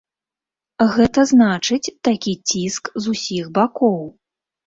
Гэта значыць, такі ціск з усіх бакоў.